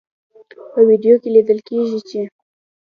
په ویډیو کې لیدل کیږي چې